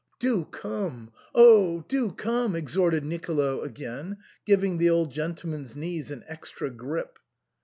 " Do come, oh ! do come !" exhorted Nicolo again, giving the old gentleman's knees an extra grip.